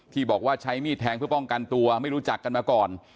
บอกว่าใช้มีดแทงเพื่อป้องกันตัวไม่รู้จักกันมาก่อน